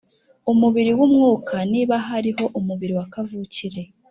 umubiri w umwuka Niba hariho umubiri wa kavukire